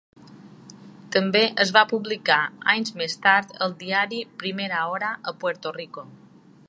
També es va publicar, anys més tard, al diari "Primera Hora" a Puerto Rico.